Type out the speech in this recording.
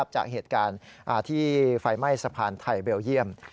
จากเหตุการณ์ที่ไฟไหม้สะพานไทยเบลเยี่ยม